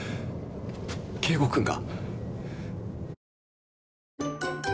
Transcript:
圭吾君が。